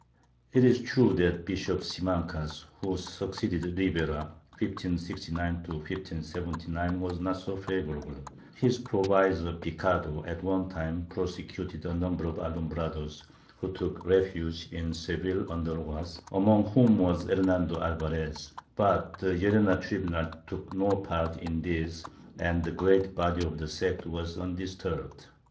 It is true that Bishop Simancas, who succeeded Ribera (1569 1579) was not so favorable, and his pro visor, Picado, at one time prosecuted a number of Alumbrados, who took refuge in Seville under Rojas, among whom was Her nando Alvarez, but the Llerena tribunal took no part in this and the great body of the sect was undisturbed.